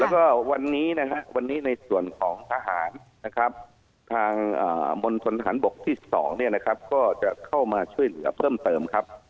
แล้วก็วันนี้นะครับวันนี้ในส่วนของทหารนะครับทางมณฑนทหารบกที่๒เนี่ยนะครับก็จะเข้ามาช่วยเหลือเพิ่มเติมครับ